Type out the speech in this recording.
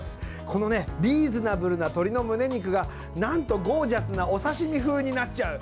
このねリーズナブルな鶏のむね肉がなんとゴージャスなお刺身風になっちゃう。